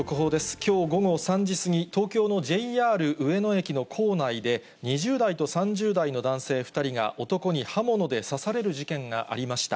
きょう午後３時過ぎ、東京のＪＲ上野駅の構内で、２０代と３０代の男性２人が男に刃物で刺される事件がありました。